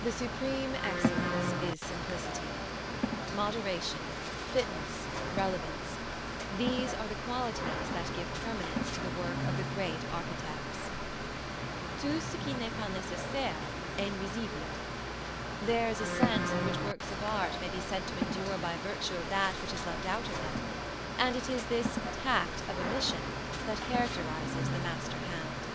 The supreme excellence is simplicity. Moderation, fitness, relevance these are the qualities that give permanence to the work of the great architects. Tout ce qui n'est pas nécessaire est nuisible. There is a sense in which works of art may be said to endure by virtue of that which is left out of them, and it is this "tact of omission" that characterizes the master hand.